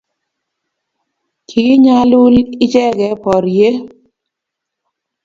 kiinyalul icheke borye